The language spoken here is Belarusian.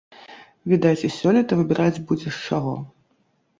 Відаць, і сёлета выбіраць будзе з чаго.